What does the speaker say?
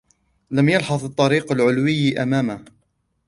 لم يلحظ الطريق العلوي أمامه.